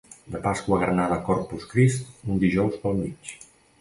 De Pasqua Granada a Corpus Crist, un dijous per mig.